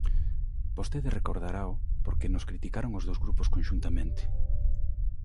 Vostede recordarao porque nos criticaron aos dous grupos conxuntamente.